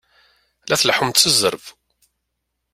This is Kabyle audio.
La tleḥḥumt s zzerb!